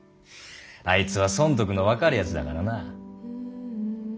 あいつは損得の分かるやつだからな。